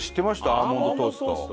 アーモンドトースト。